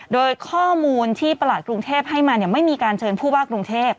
โดยข้อมูลที่ประหลัดกรุงเทพให้มาไม่มีการเชิญผู้ว่ากรุงเทพ